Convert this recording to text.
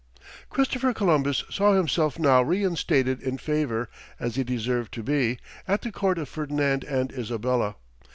Christopher Columbus saw himself now reinstated in favour, as he deserved to be, at the court of Ferdinand and Isabella.